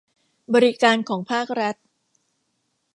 บริการของภาครัฐ